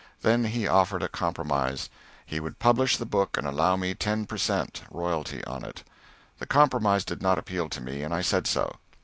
Then he offered a compromise: he would publish the book and allow me ten per cent. royalty on it. The compromise did not appeal to me, and I said so.